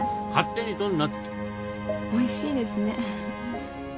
おいしいですね。